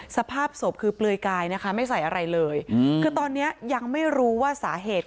สภาพศพคือเปลือยกายนะคะไม่ใส่อะไรเลยคือตอนนี้ยังไม่รู้ว่าสาเหตุ